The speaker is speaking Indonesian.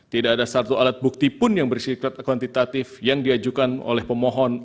tidak ada satu alat bukti pun yang bersikap kuantitatif yang diajukan oleh pemohon